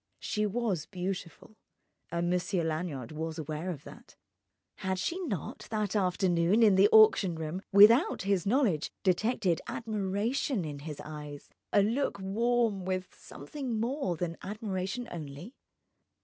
She was beautiful—and Monsieur Lanyard was aware of that. Had she not, that afternoon, in the auction room, without his knowledge detected admiration in his eyes, a look warm with something more than admiration only?